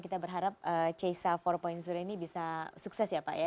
kita berharap cesa empat ini bisa sukses ya pak ya